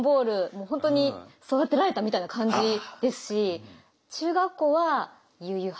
もう本当に育てられたみたいな感じですし。